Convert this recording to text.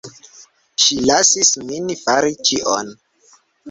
Ŝi lasis min fari ĉion.